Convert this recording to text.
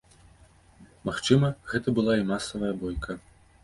Магчыма, гэта была і масавая бойка.